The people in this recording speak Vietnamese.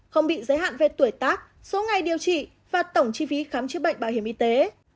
không bị giới hạn về tuổi tác số ngày điều trị và tổng chi phí khám chữa bệnh bảo hiểm y tế